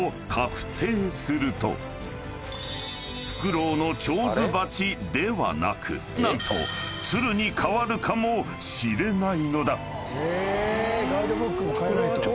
［フクロウの手水鉢ではなく何と鶴に変わるかもしれないのだ］